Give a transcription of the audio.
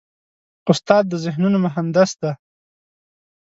استاد د ذهنونو مهندس دی.